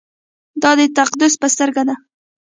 دا د تقدس په سترګه ده.